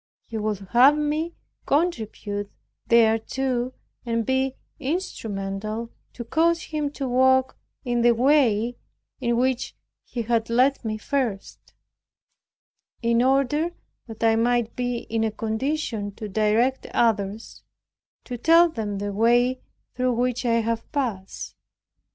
He would have me contribute thereto and be instrumental to cause him to walk in the way in which He had led me first; in order that I might be in a condition to direct others, to tell them the way through which I have passed.